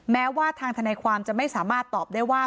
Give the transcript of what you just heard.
แม้ว่าทางทนายความจะไม่สามารถตอบได้ว่า